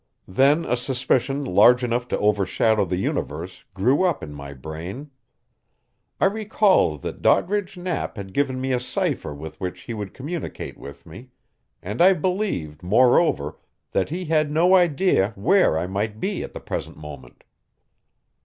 Then a suspicion large enough to overshadow the universe grew up in my brain. I recalled that Doddridge Knapp had given me a cipher with which he would communicate with me, and I believed, moreover, that he had no idea where I might be at the present moment.